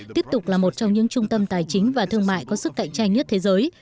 tiếp tục là một trong những trung tâm tài chính và thương mại có sức cạnh tranh nhất thế giới